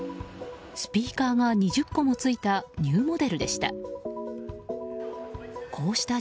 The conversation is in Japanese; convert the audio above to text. スピーカーが２０個もついたニューモデルでした。